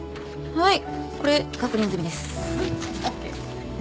はい？